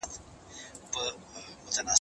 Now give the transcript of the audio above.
زه به ښوونځی ته تللی وي!؟